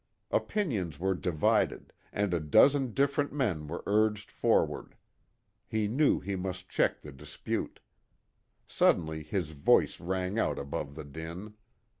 Opinions were divided, and a dozen different men were urged forward. He knew he must check the dispute. Suddenly his voice rang out above the din.